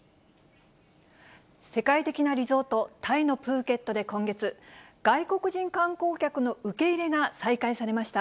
世界的なリゾート、タイのプーケットで今月、外国人観光客の受け入れが再開されました。